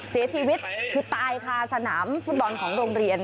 เสียชีวิตคือตายค่ะสนามฟุตบอลของโรงเรียน